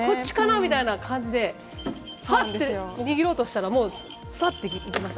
みたいな感じで握ろうと思ったらもう、さっといきました。